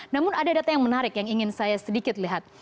namun ada data yang menarik yang ingin saya sedikit lihat